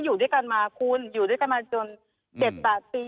อยู่ด้วยกันมาคุณอยู่ด้วยกันมาจน๗๘ปี